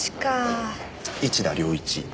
市田亮一。